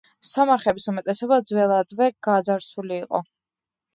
სამარხების უმეტესობა ძველადვე გაძარცვული იყო.